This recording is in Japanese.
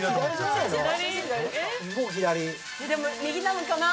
でも右なのかな？